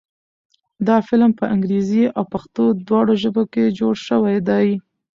دا فلم په انګريزۍ او پښتو دواړو ژبو کښې جوړ شوے دے